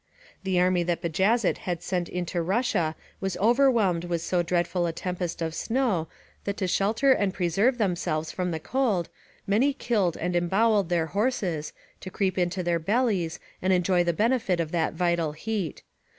The army that Bajazet had sent into Russia was overwhelmed with so dreadful a tempest of snow, that to shelter and preserve themselves from the cold, many killed and embowelled their horses, to creep into their bellies and enjoy the benefit of that vital heat.